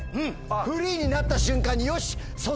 フリーになった瞬間に。